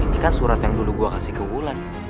ini kan surat yang dulu gue kasih ke bulan